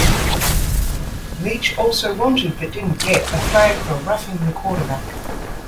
Leach also wanted, but didn't get, a flag for roughing the quarterback.